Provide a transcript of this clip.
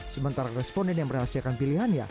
sementara responden yang merahasiakan pilihannya